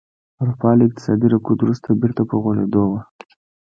اروپا له اقتصادي رکود وروسته بېرته په غوړېدو وه